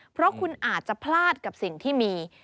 เพราะคุณอาจจะพลาดกับสิ่งที่มี